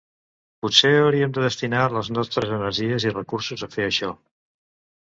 Potser hauríem de destinar les nostres energies i recursos a fer això.